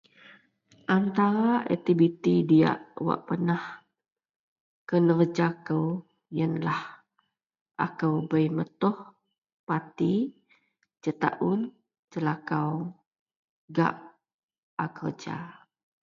Anatara aktiviti diyak wak pernah kenerja kou, iyenlah akou bei metoh pati jetaon jelakau gak a kerja.